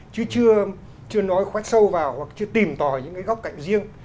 chứ chưa nói khoét sâu vào hoặc chưa tìm tòi những cái góc cạnh riêng